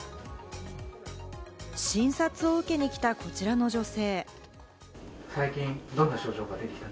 診察を受けに来た、こちらの女性。